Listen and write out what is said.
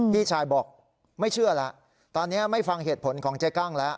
พี่ชายบอกไม่เชื่อแล้วตอนนี้ไม่ฟังเหตุผลของเจ๊กั้งแล้ว